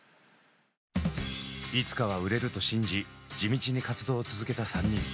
いつかは売れると信じ地道に活動を続けた３人。